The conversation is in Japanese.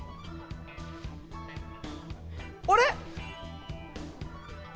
あれ？